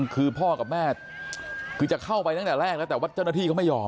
คือพ่อกับแม่คือจะเข้าไปตั้งแต่แรกแล้วแต่ว่าเจ้าหน้าที่เขาไม่ยอม